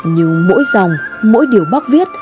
nhưng mỗi dòng mỗi điều bác viết